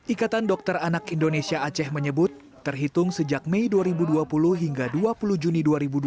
ikatan dokter anak indonesia aceh menyebut terhitung sejak mei dua ribu dua puluh hingga dua puluh juni dua ribu dua puluh